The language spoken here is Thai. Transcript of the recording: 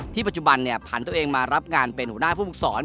ปัจจุบันผันตัวเองมารับงานเป็นหัวหน้าผู้ฝึกศร